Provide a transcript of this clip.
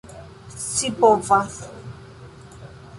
scipovas